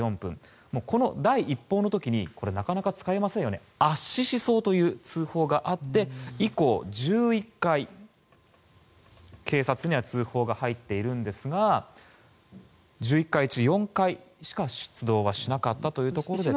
この第一報の時に圧死しそうという通報があって以降１１回警察には通報が入っているんですが１１回中４回しか出動はしなかったということで。